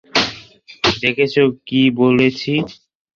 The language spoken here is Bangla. দেখেছো কী বলেছি?